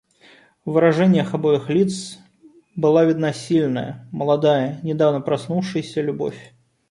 В выражениях обоих лиц была видна сильная, молодая, недавно проснувшаяся любовь.